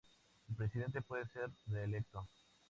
El Presidente puede ser reelecto.